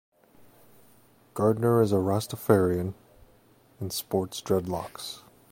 Gardner is a rastafarian and sports dreadlocks.